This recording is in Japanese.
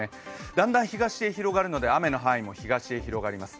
だんだん東へ広がるので、雨の範囲も東へ広がります。